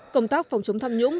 công tác phòng chống tham nhũng